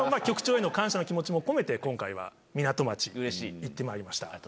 局長への感謝の気持ちも込めて、今回は港町、行ってまいりました。